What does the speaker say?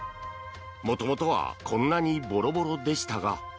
もともとはこんなにボロボロでしたが。